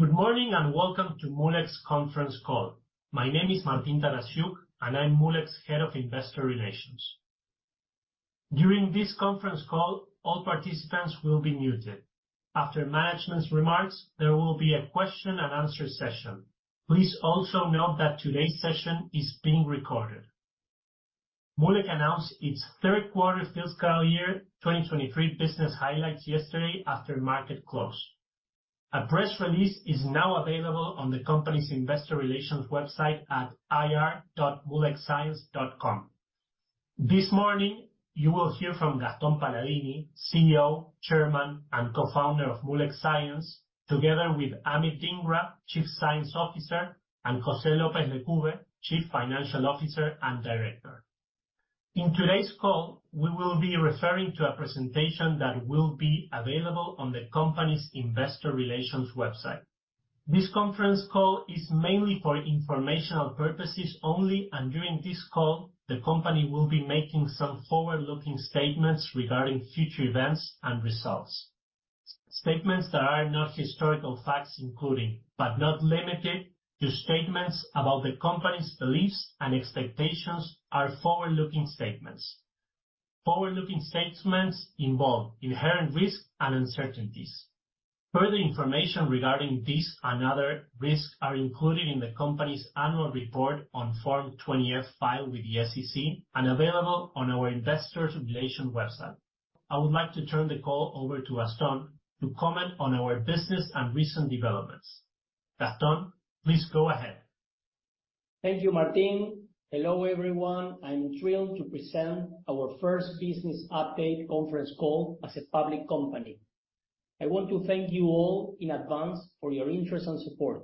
Good morning, welcome to Moolec Conference Call. My name is Martín Taraciuk, and I'm Moolec Head of Investor Relations. During this conference call, all participants will be muted. After management's remarks, there will be a question and answer session. Please also note that today's session is being recorded. Moolec announced its third quarter fiscal year 2023 business highlights yesterday after market close. A press release is now available on the company's investor relations website at ir.moolecscience.com. This morning, you will hear from Gastón Paladini, CEO, Chairman, and Co-founder of Moolec Science, together with Amit Dhingra, Chief Science Officer, and José López Lecube, Chief Financial Officer and Director. In today's call, we will be referring to a presentation that will be available on the company's investor relations website. This conference call is mainly for informational purposes only. During this call, the company will be making some forward-looking statements regarding future events and results. Statements that are not historical facts including, but not limited to statements about the company's beliefs and expectations, are forward-looking statements. Forward-looking statements involve inherent risks and uncertainties. Further information regarding these and other risks are included in the company's annual report on Form 20-F filed with the SEC and available on our investor relations website. I would like to turn the call over to Gastón to comment on our business and recent developments. Gastón, please go ahead. Thank you, Martín. Hello, everyone. I'm thrilled to present our first business update conference call as a public company. I want to thank you all in advance for your interest and support.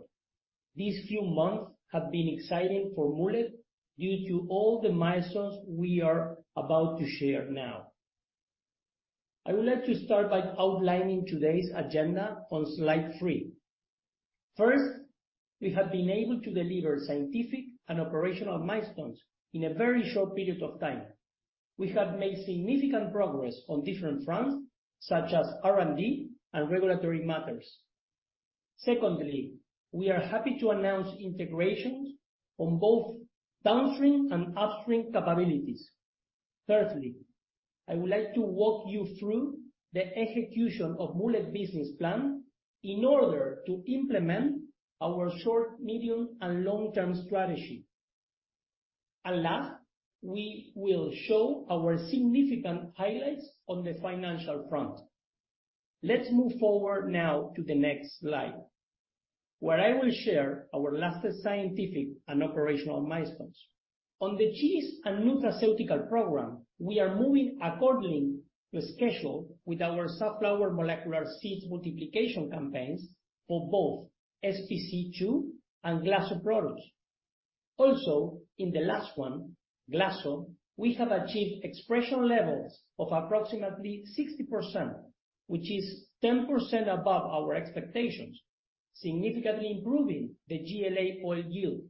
These few months have been exciting for Moolec due to all the milestones we are about to share now. I would like to start by outlining today's agenda on slide three. First, we have been able to deliver scientific and operational milestones in a very short period of time. We have made significant progress on different fronts, such as R&D and regulatory matters. Secondly, we are happy to announce integrations on both downstream and upstream capabilities. Thirdly, I would like to walk you through the execution of Moolec business plan in order to implement our short, medium, and long-term strategy. Last, we will show our significant highlights on the financial front. Let's move forward now to the next slide, where I will share our latest scientific and operational milestones. On the cheese and nutraceutical program, we are moving accordingly to schedule with our safflower molecular seeds multiplication campaigns for both SPC2 and GLASO products. In the last one, GLASO, we have achieved expression levels of approximately 60%, which is 10% above our expectations, significantly improving the GLA oil yield.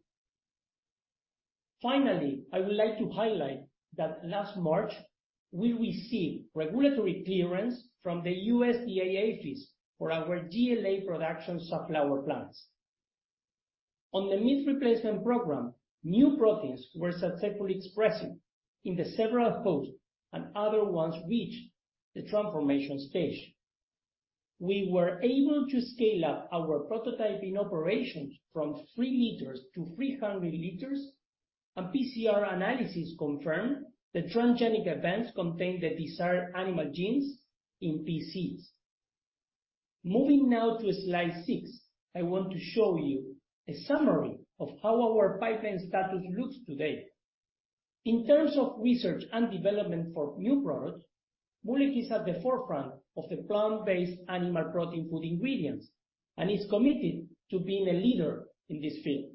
I would like to highlight that last March, we received regulatory clearance from the USDA-APHIS for our GLA production safflower plants. On the meat replacement program, new proteins were successfully expressed in the several hosts, and other ones reached the transformation stage. We were able to scale up our prototyping operations from 3 liters to 300 liters, PCR analysis confirmed the transgenic events contained the desired animal genes in PCs. Moving now to slide six, I want to show you a summary of how our pipeline status looks today. In terms of research and development for new products, Moolec is at the forefront of the plant-based animal protein food ingredients and is committed to being a leader in this field.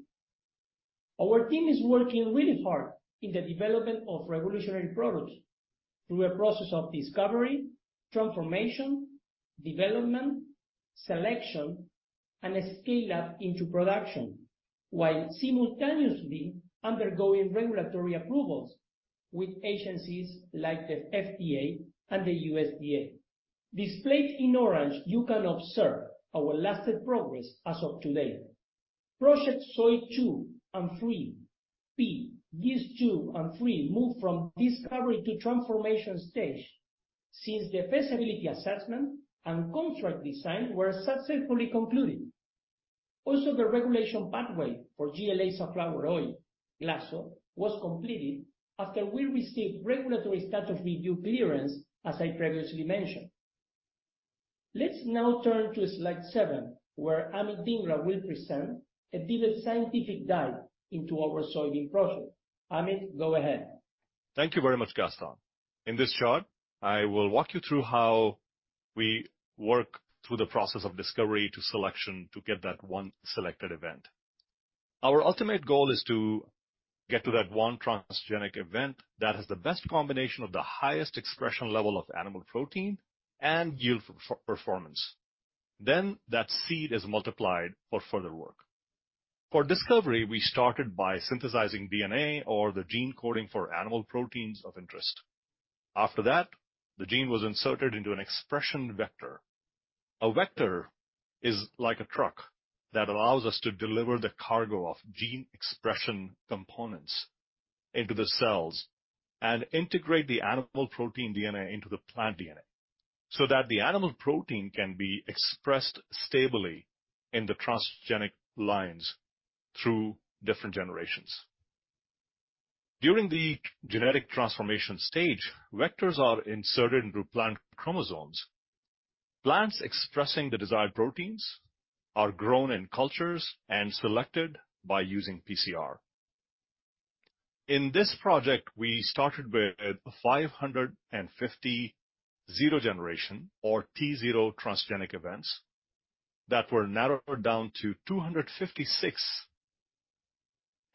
Our team is working really hard in the development of revolutionary products through a process of discovery, transformation, development, selection, and a scale-up into production, while simultaneously undergoing regulatory approvals with agencies like the FDA and the USDA. Displayed in orange, you can observe our latest progress as of today. Project Soy 2 and 3 moved from discovery to transformation stage since the feasibility assessment and contract design were successfully concluded. Also, the regulation pathway for GLA safflower oil, GLASO, was completed after we received regulatory status review clearance, as I previously mentioned. Let's now turn to slide seven, where Amit Dhingra will present a bit of scientific dive into our soybean project. Amit, go ahead. Thank you very much, Gastón. In this chart, I will walk you through how we work through the process of discovery to selection to get that one selected event. Our ultimate goal is to get to that one transgenic event that has the best combination of the highest expression level of animal protein and yield performance. That seed is multiplied for further work. For discovery, we started by synthesizing DNA or the gene coding for animal proteins of interest. After that, the gene was inserted into an expression vector. A vector is like a truck that allows us to deliver the cargo of gene expression components into the cells and integrate the animal protein DNA into the plant DNA, so that the animal protein can be expressed stably in the transgenic lines through different generations. During the genetic transformation stage, vectors are inserted into plant chromosomes. Plants expressing the desired proteins are grown in cultures and selected by using PCR. In this project, we started with 550 zero generation or T0 transgenic events that were narrowed down to 256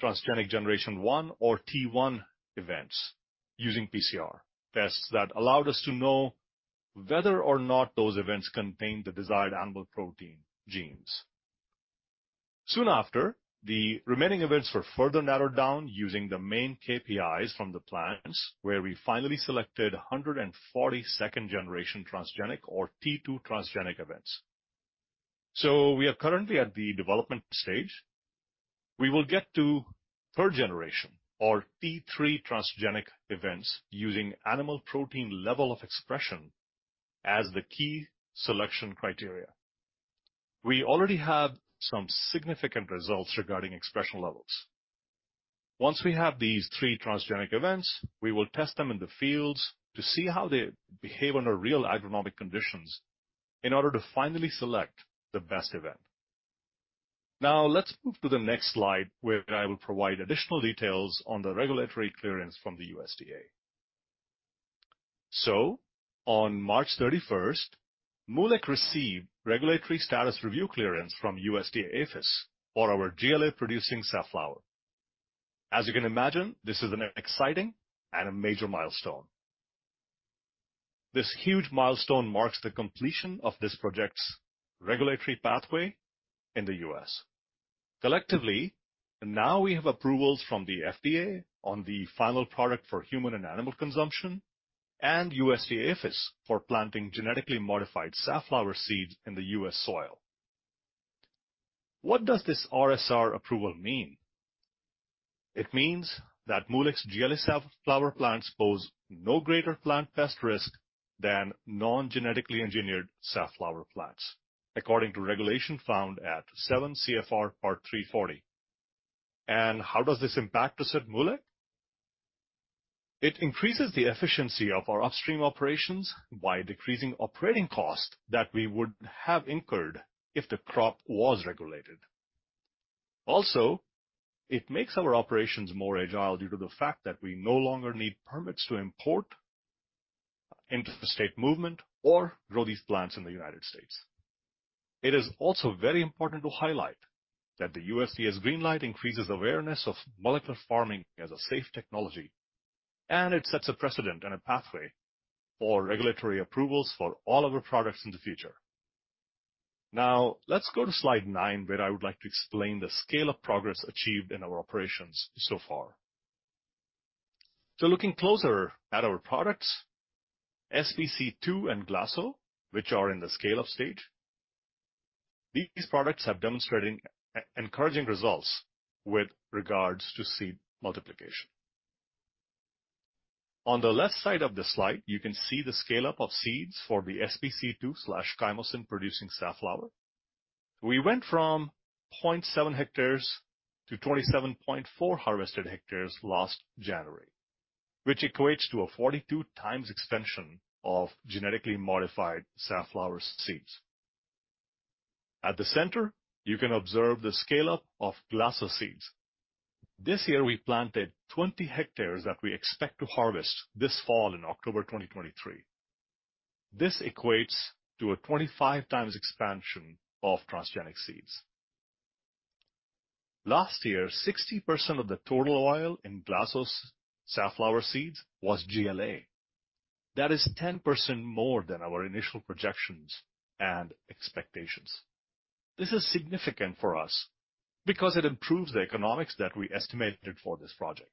transgenic generation 1 or T1 events using PCR tests that allowed us to know whether or not those events contained the desired animal protein genes. Soon after, the remaining events were further narrowed down using the main KPIs from the plants, where we finally selected 140 second-generation transgenic or T2 transgenic events. We are currently at the development stage. We will get to third generation or T3 transgenic events using animal protein level of expression as the key selection criteria. We already have some significant results regarding expression levels. Once we have these three transgenic events, we will test them in the fields to see how they behave under real agronomic conditions in order to finally select the best event. Let's move to the next slide, where I will provide additional details on the regulatory clearance from the USDA. On March 31st, Moolec received regulatory status review clearance from USDA APHIS for our GLA-producing safflower. As you can imagine, this is an exciting and a major milestone. This huge milestone marks the completion of this project's regulatory pathway in the US. Collectively, now we have approvals from the FDA on the final product for human and animal consumption, and USDA APHIS for planting genetically modified safflower seeds in the US soil. What does this RSR approval mean? It means that Moolec's GLA safflower plants pose no greater plant pest risk than non-genetically engineered safflower plants, according to regulation found at 7 CFR Part 340. How does this impact us at Moolec? It increases the efficiency of our upstream operations by decreasing operating costs that we would have incurred if the crop was regulated. It makes our operations more agile due to the fact that we no longer need permits to import into the state movement or grow these plants in the United States. It is also very important to highlight that the USDA's green light increases awareness of molecular farming as a safe technology, it sets a precedent and a pathway for regulatory approvals for all of our products in the future. Let's go to slide nine, where I would like to explain the scale of progress achieved in our operations so far. Looking closer at our products, SPC2 and GLASO, which are in the scale-up stage. These products have demonstrated encouraging results with regards to seed multiplication. On the left side of the slide, you can see the scale-up of seeds for the SPC2 chymosin-producing safflower. We went from 0.7 hectares to 27.4 harvested hectares last January, which equates to a 42 times expansion of genetically modified safflower seeds. At the center, you can observe the scale-up of GLASO seeds. This year, we planted 20 hectares that we expect to harvest this fall in October 2023. This equates to a 25 times expansion of transgenic seeds. Last year, 60% of the total oil in GLASO's safflower seeds was GLA. That is 10% more than our initial projections and expectations. This is significant for us because it improves the economics that we estimated for this project.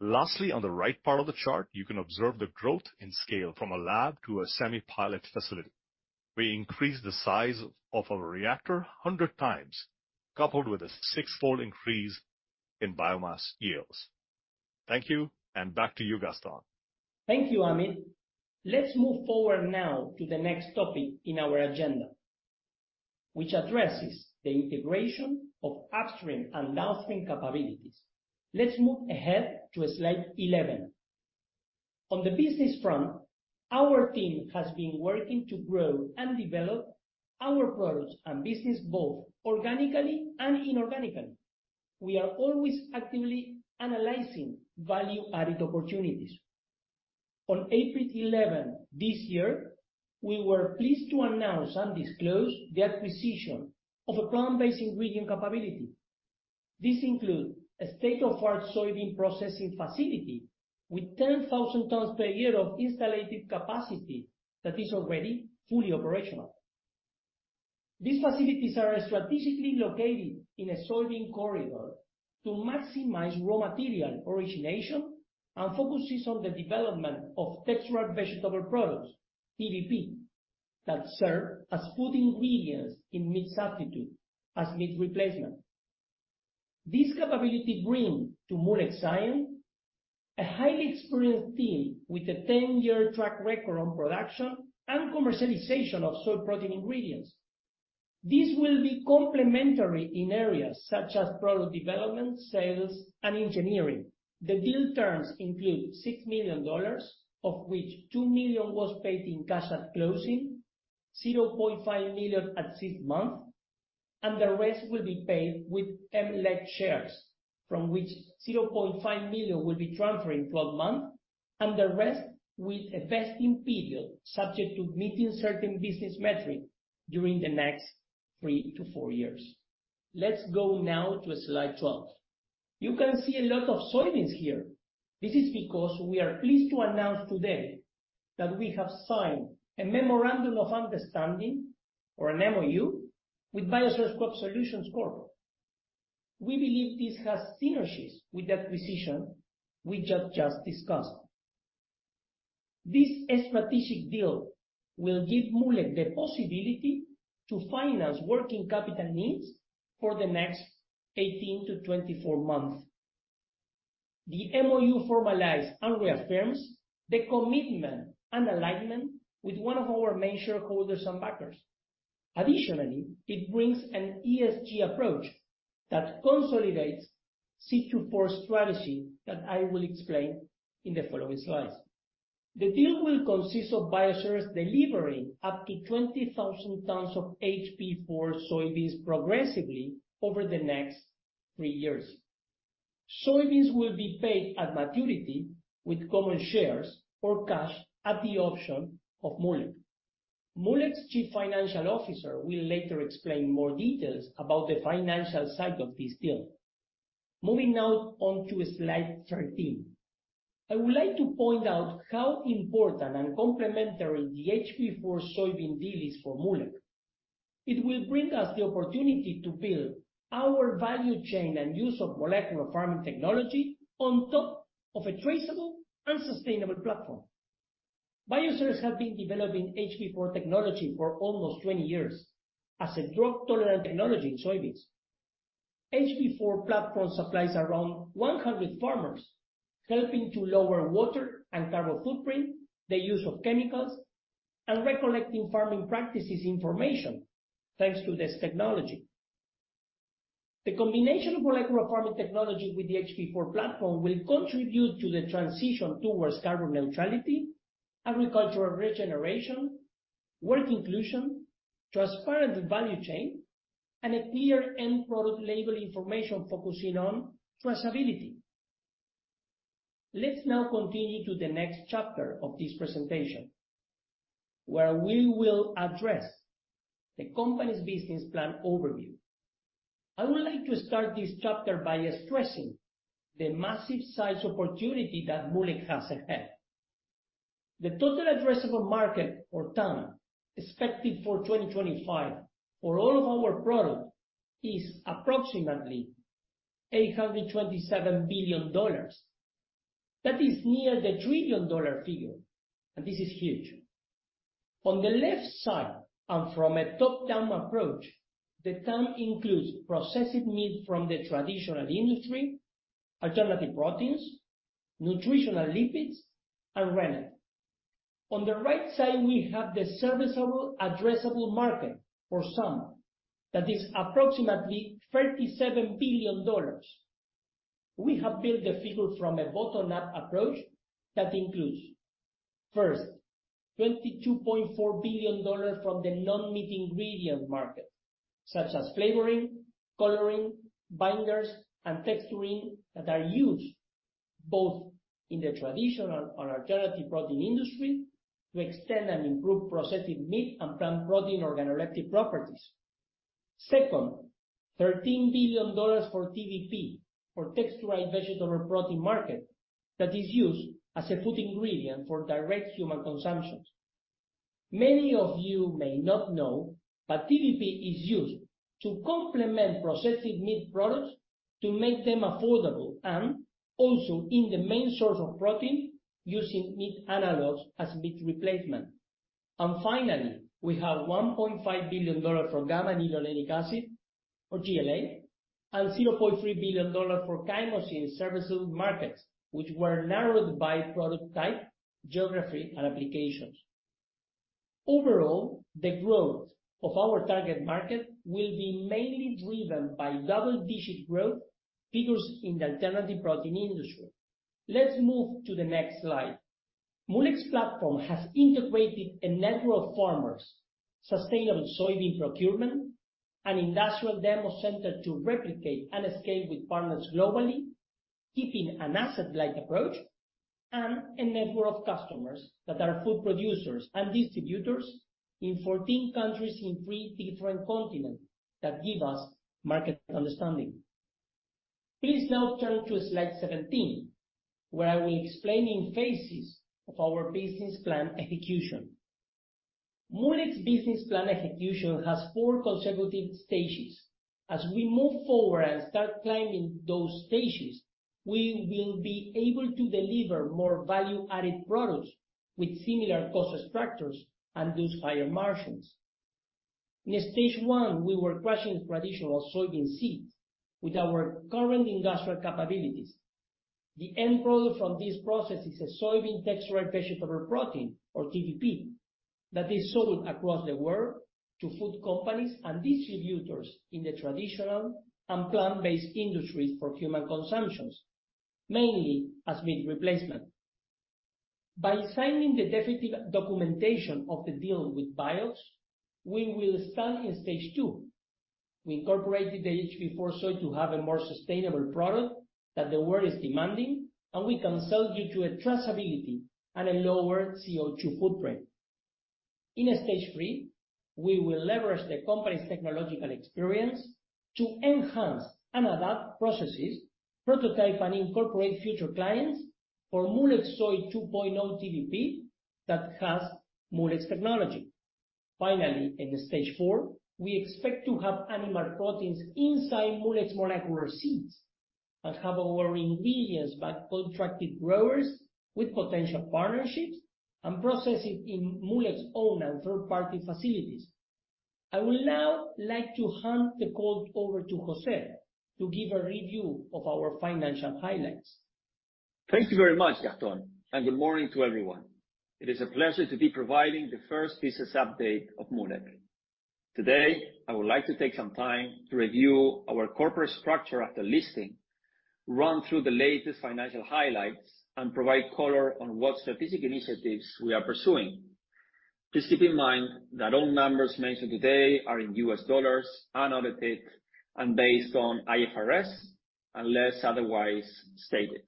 Lastly, on the right part of the chart, you can observe the growth in scale from a lab to a semi-pilot facility. We increased the size of our reactor 100 times, coupled with a 6-fold increase in biomass yields. Thank you, and back to you, Gaston. Thank you, Amit. Let's move forward now to the next topic in our agenda, which addresses the integration of upstream and downstream capabilities. Let's move ahead to slide 11. On the business front, our team has been working to grow and develop our products and business, both organically and inorganically. We are always actively analyzing value-added opportunities. On April 11 this year, we were pleased to announce and disclose the acquisition of a plant-based ingredient capability. This include a state-of-the-art soybean processing facility, with 10,000 tons per year of installed capacity that is already fully operational. These facilities are strategically located in a soybean corridor to maximize raw material origination, and focuses on the development of textured vegetable products, TVP, that serve as food ingredients in meat substitute, as meat replacement. This capability bring to Moolec Science a highly experienced team, with a 10-year track record on production and commercialization of soy protein ingredients. This will be complementary in areas such as product development, sales, and engineering. The deal terms include $6 million, of which $2 million was paid in cash at closing, $0.5 million at six months, and the rest will be paid with MLEC shares, from which $0.5 million will be transferred in 12 months, and the rest with a vesting period, subject to meeting certain business metrics during the next 3-4 years. Let's go now to slide 12. You can see a lot of soybeans here. This is because we are pleased to announce today that we have signed a memorandum of understanding, or an MOU, with Bioceres Crop Solutions Corp. We believe this has synergies with the acquisition we had just discussed. This strategic deal will give Moolec the possibility to finance working capital needs for the next 18 to 24 months. The MOU formalize and reaffirms the commitment and alignment with one of our main shareholders and backers. It brings an ESG approach that consolidates C24 strategy, that I will explain in the following slides. The deal will consist of Bioceres delivering up to 20,000 tons of HB4 soybeans progressively over the next three years. Soybeans will be paid at maturity with common shares or cash at the option of Moolec. Moolec's Chief Financial Officer will later explain more details about the financial side of this deal. Moving now on to slide 13. I would like to point out how important and complementary the HB4 soybean deal is for Moolec. It will bring us the opportunity to build our value chain and use of molecular farming technology on top of a traceable and sustainable platform. Bioceres have been developing HB4 technology for almost 20 years as a drought-tolerant technology in soybeans. HB4 platform supplies around 100 farmers, helping to lower water and carbon footprint, the use of chemicals, and recollecting farming practices information, thanks to this technology. The combination of molecular farming technology with the HB4 platform will contribute to the transition towards carbon neutrality, agricultural regeneration, work inclusion, transparent value chain, and a clear end product label information focusing on traceability. Let's now continue to the next chapter of this presentation, where we will address the company's business plan overview. I would like to start this chapter by stressing the massive size opportunity that Moolec has ahead. The total addressable market, or TAM, expected for 2025 for all of our products is approximately $827 billion. That is near the trillion-dollar figure. This is huge. On the left side, from a top-down approach, the TAM includes processed meat from the traditional industry, alternative proteins, nutritional lipids, and rennet. On the right side, we have the serviceable addressable market, or SAM, that is approximately $37 billion. We have built the figure from a bottom-up approach that includes, first, $22.4 billion from the non-meat ingredient market, such as flavoring, coloring, binders, and texturing, that are used both in the traditional and alternative protein industry to extend and improve processing meat and plant protein organoleptic properties. Second, $13 billion for TVP, or texturized vegetable protein market, that is used as a food ingredient for direct human consumption. Many of you may not know, TVP is used to complement processing meat products to make them affordable, and also in the main source of protein, using meat analogs as meat replacement. Finally, we have $1.5 billion for gamma-linolenic acid, or GLA, and $0.3 billion for chymosin serviceable markets, which were narrowed by product type, geography, and applications. Overall, the growth of our target market will be mainly driven by double-digit growth figures in the alternative protein industry. Let's move to the next slide. Moolec's platform has integrated a network of farmers, sustainable soybean procurement, an industrial demo center to replicate and scale with partners globally, keeping an asset-light approach and a network of customers that are food producers and distributors in 14 countries in three different continents that give us market understanding. Please now turn to slide 17, where I will explain in phases of our business plan execution. Moolec's business plan execution has four consecutive stages. As we move forward and start climbing those stages, we will be able to deliver more value-added products with similar cost structures and thus higher margins. In stage one, we were crushing traditional soybean seeds with our current industrial capabilities. The end product from this process is a soybean textured vegetable protein, or TVP, that is sold across the world to food companies and distributors in the traditional and plant-based industries for human consumption, mainly as meat replacement. By signing the definitive documentation of the deal with Bioceres, we will start in stage two. We incorporated the HB4 Soy to have a more sustainable product that the world is demanding, and we can sell due to a traceability and a lower CO2 footprint. In stage three, we will leverage the company's technological experience to enhance and adapt processes, prototype, and incorporate future clients for Moolec Soy 2.0 TVP that has Moolec's technology. Finally, in stage four, we expect to have animal proteins inside Moolec's molecular seeds, and have our ingredients by contracted growers with potential partnerships and process it in Moolec's own and third-party facilities. I would now like to hand the call over to José to give a review of our financial highlights. Thank you very much, Gastón, and good morning to everyone. It is a pleasure to be providing the first business update of Moolec. Today, I would like to take some time to review our corporate structure after listing, run through the latest financial highlights, and provide color on what strategic initiatives we are pursuing. Please keep in mind that all numbers mentioned today are in US dollars, unaudited, and based on IFRS, unless otherwise stated.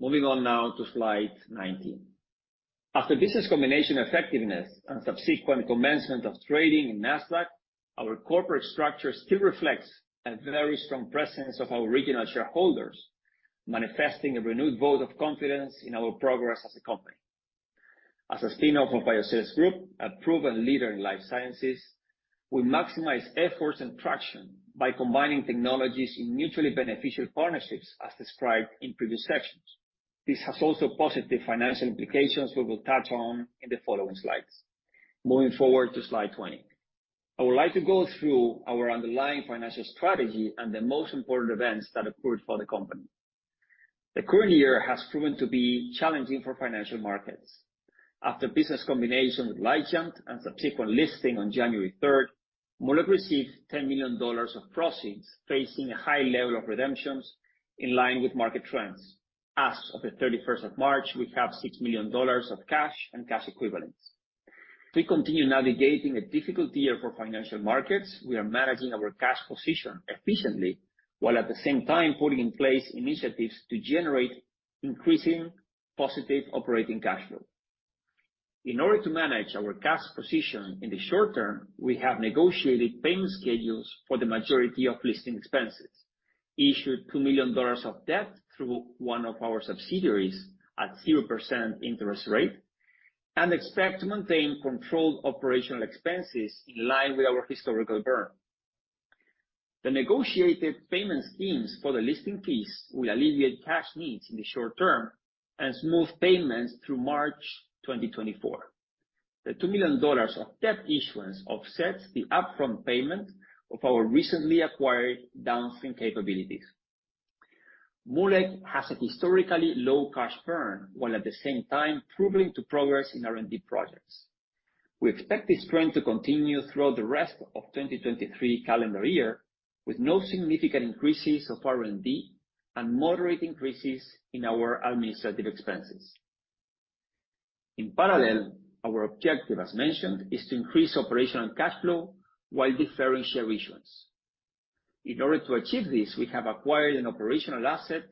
Moving on now to slide 19. After business combination effectiveness and subsequent commencement of trading in Nasdaq, our corporate structure still reflects a very strong presence of our original shareholders, manifesting a renewed vote of confidence in our progress as a company. As a spin-off of Bioceres Group, a proven leader in life sciences, we maximize efforts and traction by combining technologies in mutually beneficial partnerships, as described in previous sections. This has also positive financial implications we will touch on in the following slides. Moving forward to slide 20. I would like to go through our underlying financial strategy and the most important events that occurred for the company. The current year has proven to be challenging for financial markets. After business combination with LightJump and subsequent listing on January 3rd, Moolec received $10 million of proceeds, facing a high level of redemptions in line with market trends. As of the 31st of March, we have $6 million of cash and cash equivalents. We continue navigating a difficult year for financial markets. We are managing our cash position efficiently, while at the same time, putting in place initiatives to generate increasing positive operating cash flow. In order to manage our cash position in the short term, we have negotiated payment schedules for the majority of listing expenses, issued $2 million of debt through one of our subsidiaries at 0% interest rate, and expect to maintain controlled OpEx in line with our historical burn. The negotiated payment schemes for the listing fees will alleviate cash needs in the short term and smooth payments through March 2024. The $2 million of debt issuance offsets the upfront payment of our recently acquired downstream capabilities. Moolec has a historically low cash burn, while at the same time proving to progress in R&D projects. We expect this trend to continue throughout the rest of 2023 calendar year, with no significant increases of R&D and moderate increases in our administrative expenses. In parallel, our objective, as mentioned, is to increase operational cash flow while deferring share issuance. In order to achieve this, we have acquired an operational asset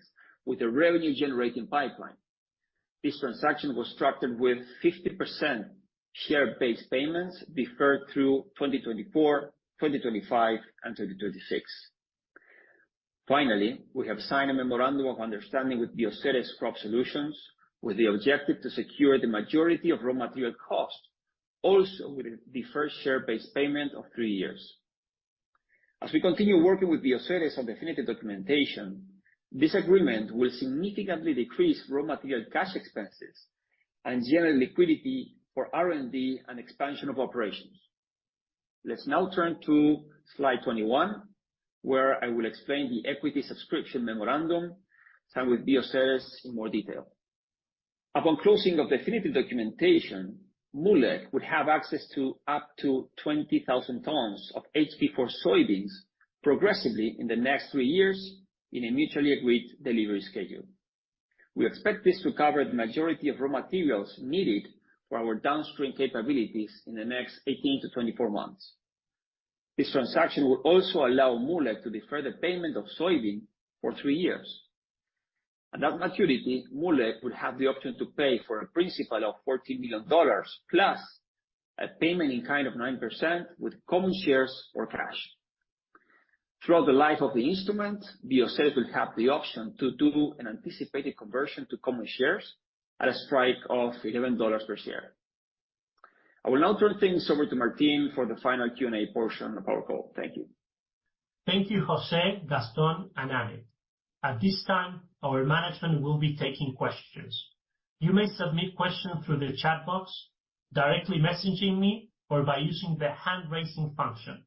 with a revenue-generating pipeline. This transaction was structured with 50% share-based payments, deferred through 2024, 2025, and 2026. We have signed a memorandum of understanding with Bioceres Crop Solutions, with the objective to secure the majority of raw material costs, also with a deferred share-based payment of three years. As we continue working with Bioceres on definitive documentation, this agreement will significantly decrease raw material cash expenses and generate liquidity for R&D and expansion of operations. Let's now turn to slide 21, where I will explain the equity subscription memorandum signed with Bioceres in more detail. Upon closing of definitive documentation, Moolec would have access to up to 20,000 tons of HB4 soybeans progressively in the next three years in a mutually agreed delivery schedule. We expect this to cover the majority of raw materials needed for our downstream capabilities in the next 18-24 months. This transaction will also allow Moolec to defer the payment of soybean for three years. At that maturity, Moolec will have the option to pay for a principal of $14 million, plus a payment in kind of 9% with common shares or cash. Throughout the life of the instrument, Insud will have the option to do an anticipated conversion to common shares at a strike of $11 per share. I will now turn things over to Martín for the final Q&A portion of our call. Thank you. Thank you, José, Gastón, and Amit. At this time, our management will be taking questions. You may submit questions through the chat box, directly messaging me, or by using the hand-raising function.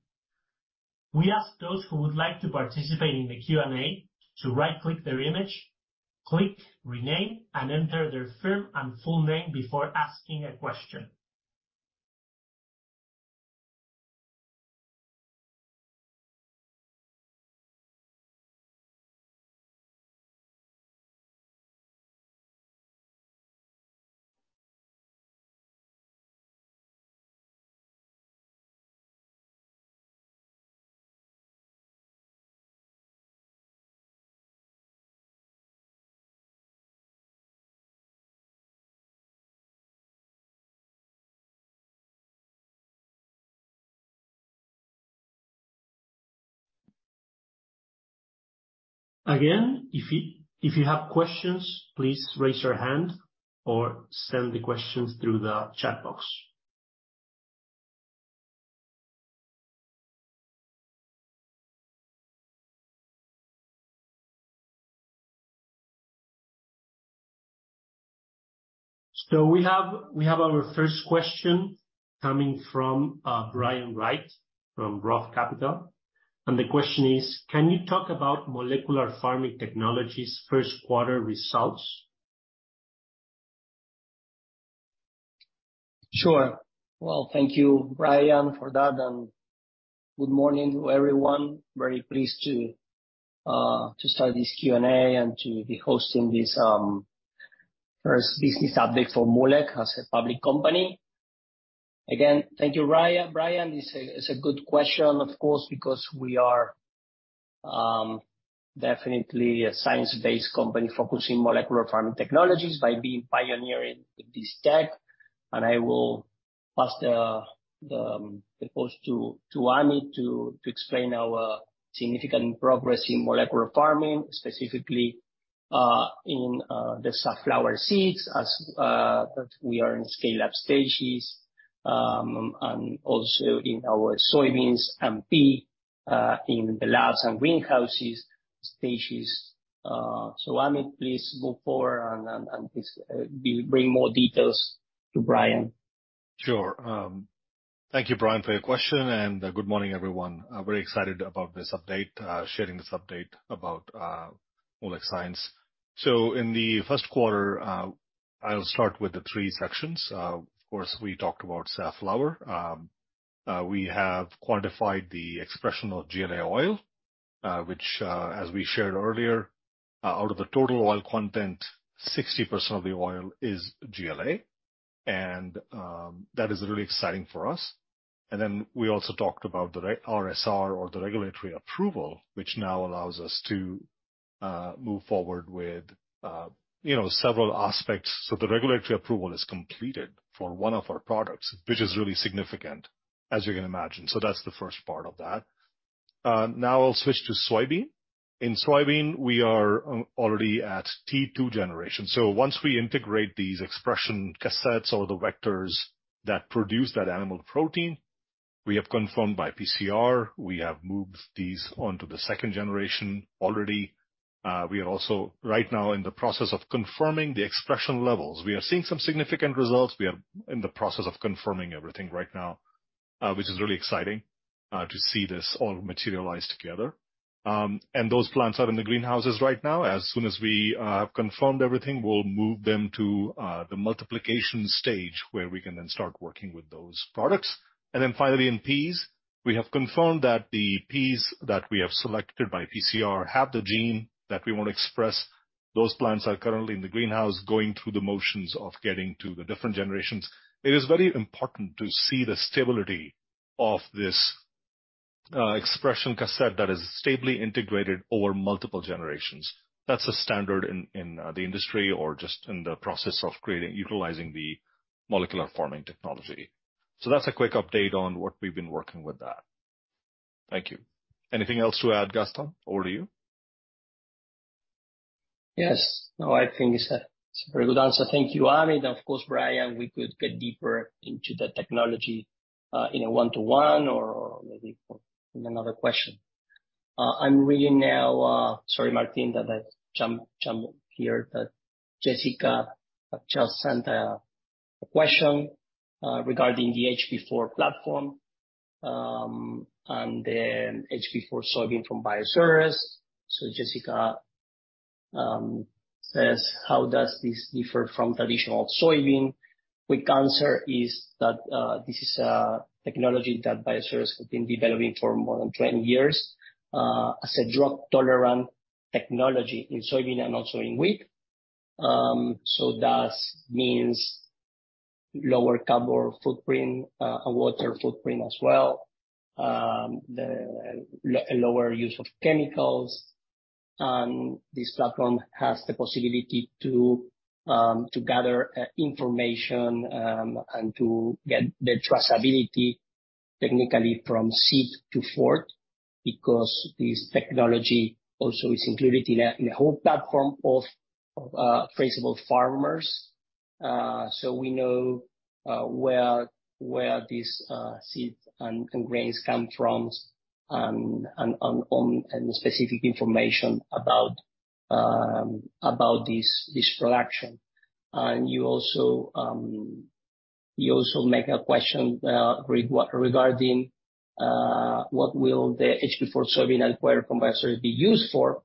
We ask those who would like to participate in the Q&A to right-click their image, click Rename, and enter their firm and full name before asking a question. Again, if you have questions, please raise your hand or send the questions through the chat box. We have our first question coming from Brian Wright from Roth Capital, and the question is: Can you talk about molecular farming technologies' first quarter results? Sure. Well, thank you, Brian, for that, and good morning to everyone. Very pleased to start this Q&A and to be hosting this first business update for Moolec as a public company. Again, thank you, Brian. It's a good question, of course, because we are definitely a science-based company focusing molecular farming technologies by being pioneering with this tech. I will pass the post to Amit to explain our significant progress in molecular farming, specifically in the safflower seeds, as that we are in scale-up stages, and also in our soybeans and pea in the labs and greenhouses stages. Amit, please move forward and please bring more details to Brian. Sure. Thank you, Brian, for your question, and good morning, everyone. I'm very excited about this update, sharing this update about Moolec Science. In the first quarter, I'll start with the three sections. Of course, we talked about safflower. We have quantified the expression of GLA oil, which, as we shared earlier, out of the total oil content, 60% of the oil is GLA, and that is really exciting for us. We also talked about the RSR or the regulatory approval, which now allows us to move forward with, you know, several aspects. The regulatory approval is completed for one of our products, which is really significant, as you can imagine. That's the first part of that. Now I'll switch to soybean. In soybean, we are already at T2 generation. Once we integrate these expression cassettes or the vectors that produce that animal protein, we have confirmed by PCR, we have moved these onto the second generation already. We are also right now in the process of confirming the expression levels. We are seeing some significant results. We are in the process of confirming everything right now, which is really exciting to see this all materialize together. Those plants are in the greenhouses right now. As soon as we confirmed everything, we'll move them to the multiplication stage, where we can then start working with those products. Finally, in peas, we have confirmed that the peas that we have selected by PCR have the gene that we want to express. Those plants are currently in the greenhouse, going through the motions of getting to the different generations. It is very important to see the stability of this expression cassette that is stably integrated over multiple generations. That's a standard in the industry or just in the process of creating, utilizing the molecular farming technology. That's a quick update on what we've been working with that. Thank you. Anything else to add, Gastón? Over to you. Yes. No, I think it's a, it's a very good answer. Thank you, Amit. Of course, Brian, we could get deeper into the technology in a one-to-one or maybe in another question. I'm reading now. Sorry, Martín, that I jump here. Jessica just sent a question regarding the HB4 platform, HB4 soybean from Insud. Jessica says: How does this differ from traditional soybean? Quick answer is that this is a technology that Insud have been developing for more than 20 years as a drought-tolerant technology in soybean and also in wheat. Lower carbon footprint, a water footprint as well, lower use of chemicals. This platform has the possibility to gather information and to get the traceability technically from seed to fork, because this technology also is included in a whole platform of traceable farmers. We know where these seeds and grains come from, and specific information about this production. You also make a question regarding what will the HB4 soybean acquired from Bioceres be used for?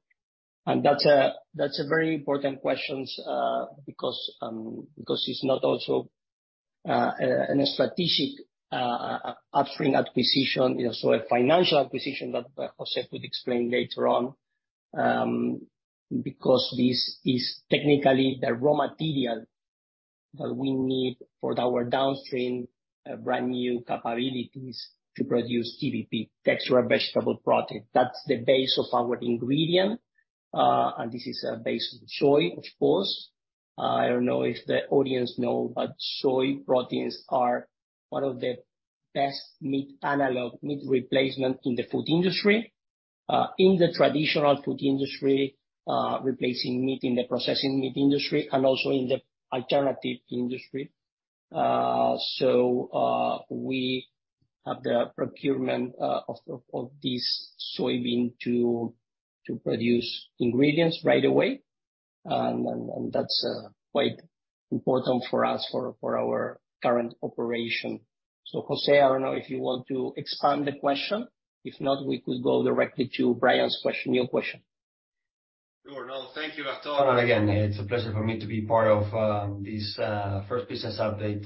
That's a very important questions because it's not also a an strategic upstream acquisition, you know, so a financial acquisition that José could explain later on. Because this is technically the raw material that we need for our downstream, brand new capabilities to produce TVP, Textured Vegetable Protein. That's the base of our ingredient, this is based on soy, of course. I don't know if the audience know, soy proteins are one of the best meat analog, meat replacement in the food industry. In the traditional food industry, replacing meat in the processing meat industry and also in the alternative industry. We have the procurement of this soybean to produce ingredients right away. That's quite important for us, for our current operation. José, I don't know if you want to expand the question. If not, we could go directly to Brian's question, new question. Sure. No, thank you, Gastón, and again, it's a pleasure for me to be part of this first business update.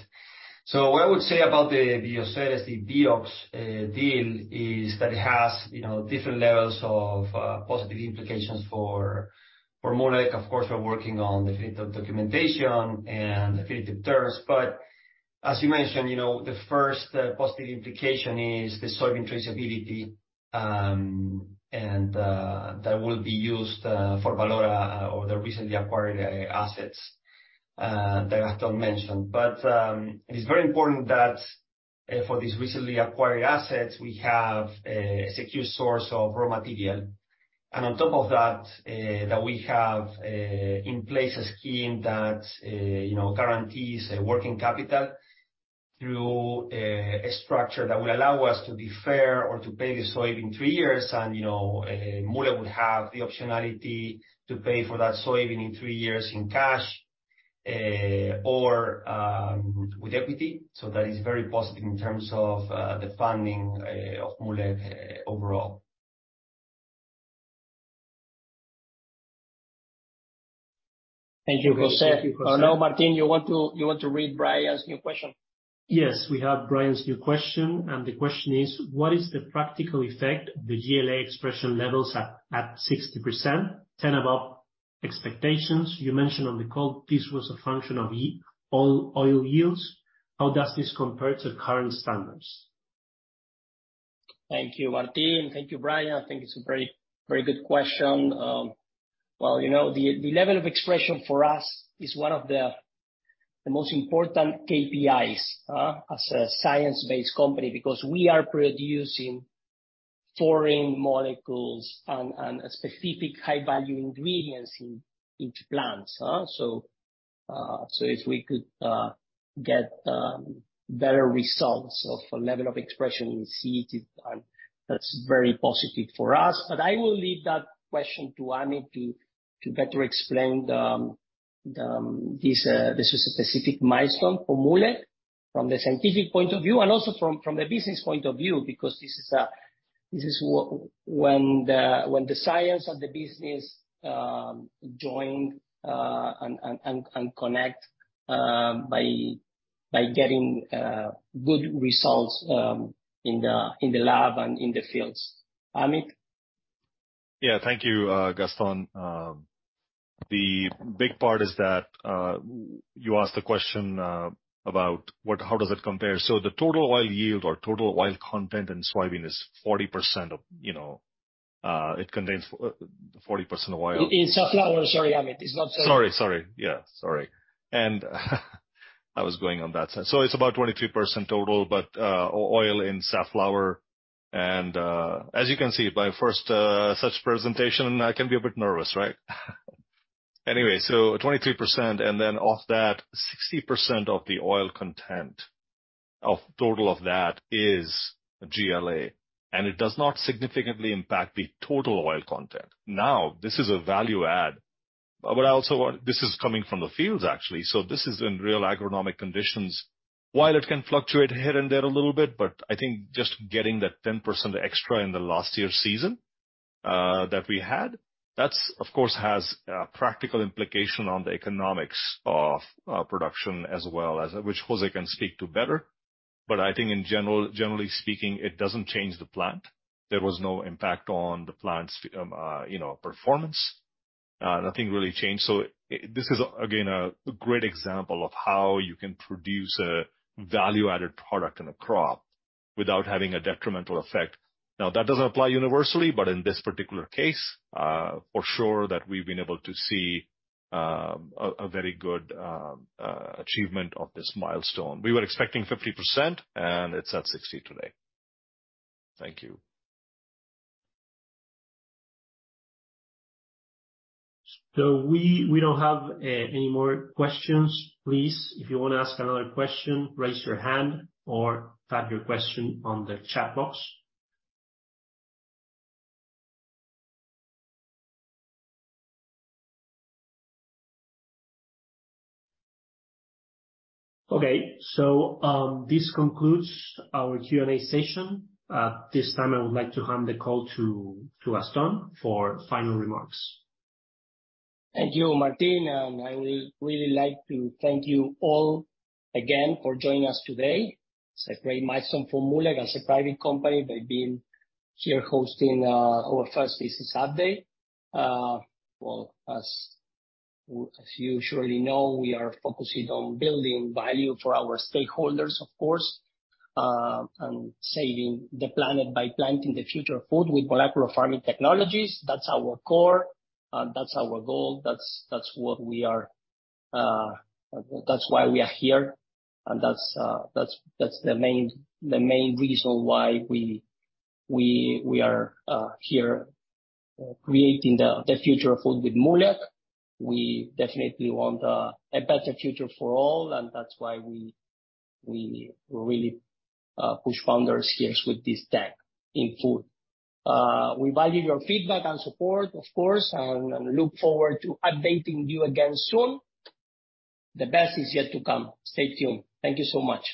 What I would say about the Bioceres deal is that it has, you know, different levels of positive implications for Moolec. Of course, we're working on definitive documentation and definitive terms, but as you mentioned, you know, the first positive implication is the soybean traceability. That will be used for Valora or the recently acquired assets that Gastón mentioned. It is very important that for these recently acquired assets, we have a secure source of raw material. On top of that we have in place a scheme that, you know, guarantees a working capital through a structure that will allow us to be fair or to pay the soybean in three years. You know, Moolec would have the optionality to pay for that soybean in three years in cash, or with equity. That is very positive in terms of the funding of Moolec overall. Thank you, José. Martín, you want to read Brian's new question? Yes, we have Brian's new question. The question is: What is the practical effect of the GLA expression levels at 60%, 10 above expectations? You mentioned on the call this was a function of all oil yields. How does this compare to current standards? Thank you, Martín. Thank you, Brian. I think it's a very, very good question. Well, you know, the level of expression for us is one of the most important KPIs, as a science-based company, because we are producing foreign molecules and specific high-value ingredients in each plants. If we could get better results of a level of expression in seed, that's very positive for us. I will leave that question to Amit to better explain this is a specific milestone for Moolec from the scientific point of view, and also from the business point of view, because this is when the science and the business join and connect by getting good results in the lab and in the fields. Amit? Yeah. Thank you, Gastón. The big part is that you asked the question about what... how does it compare? The total oil yield or total oil content in soybean is 40% of, you know, it contains 40% oil. In sunflower, sorry, Amit, it's not soy. Sorry, sorry. Yeah, sorry. I was going on that side. It's about 23% total, but oil in safflower. As you can see, my first such presentation, I can be a bit nervous, right? Anyway, 23%, then of that, 60% of the oil content, of total of that is GLA, and it does not significantly impact the total oil content. This is a value add, but this is coming from the fields, actually, this is in real agronomic conditions. It can fluctuate here and there a little bit, but I think just getting that 10% extra in the last year's season, that we had, that's, of course, has a practical implication on the economics of production as well as, which José can speak to better. I think generally speaking, it doesn't change the plant. There was no impact on the plant's, you know, performance. Nothing really changed. This is, again, a great example of how you can produce a value-added product in a crop without having a detrimental effect. That doesn't apply universally, but in this particular case, for sure, that we've been able to see a very good achievement of this milestone. We were expecting 50%, and it's at 60% today. Thank you. We don't have any more questions. Please, if you wanna ask another question, raise your hand or type your question on the chat box. This concludes our Q&A session. At this time, I would like to hand the call to Gastón for final remarks. Thank you, Martín. I will really like to thank you all again for joining us today. It's a great milestone for Moolec as a private company by being here hosting our first business update. Well, as you surely know, we are focusing on building value for our stakeholders, of course, saving the planet by planting the future of food with molecular farming technologies. That's our core, that's our goal, that's what we are. That's why we are here, that's the main reason why we are here creating the future of food with Moolec. We definitely want a better future for all, that's why we really push founders here with this tech in food. We value your feedback and support, of course, and look forward to updating you again soon. The best is yet to come. Stay tuned. Thank you so much.